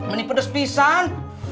ini pedes pisan